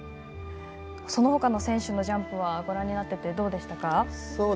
そのほかの選手のジャンプはご覧になっていてどうでしたか。